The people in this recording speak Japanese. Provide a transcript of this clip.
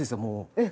えっ！